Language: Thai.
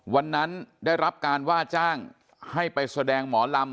วันนั้นได้รับการว่าจ้างให้ไปแสดงหมอลำ